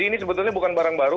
ini sebetulnya bukan barang baru